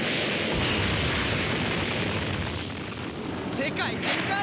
世界全快！